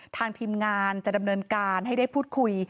ทีมงานจะดำเนินการให้ได้พูดคุย